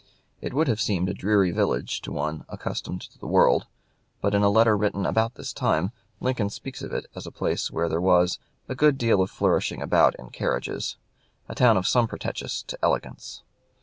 It would have seemed a dreary village to any one accustomed to the world, but in a letter written about this time, Lincoln speaks of it as a place where there was a "good deal of flourishing about in carriages" a town of some pretentious to elegance.